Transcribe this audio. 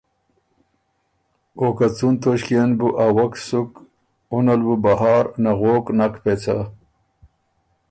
او که څُون توݭکيې ن بُو ا وک سُک اُن ال بُو بهار نغوک نک پېڅه۔